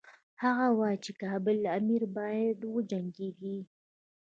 هغه وايي چې کابل امیر باید وجنګیږي.